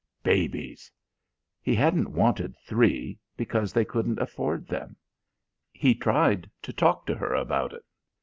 Babies.... He hadn't wanted three, because they couldn't afford them. He tried to talk to her about it.